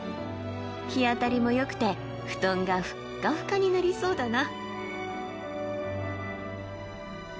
日当たりもよくて布団がふっかふかになりそうだな。